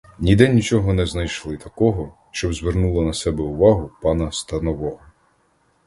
Ніде нічого не знайшли такого, щоб звернуло на себе увагу пана станового.